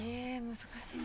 難しいな。